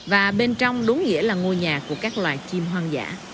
và bên trong đúng nghĩa là ngôi nhà của các loài chim hoang dã